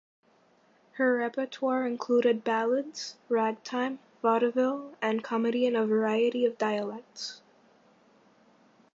Her repertoire included ballads, ragtime, vaudeville, and comedy in a variety of dialects.